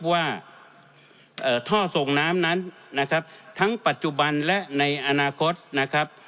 ว่าท่อส่งน้ำนั้นนะครับทั้งปัจจุบันและในอนาคตนะครับ